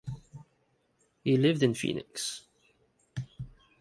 He lived in Phoenix.